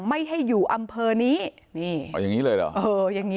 สวัสดีครับทุกคน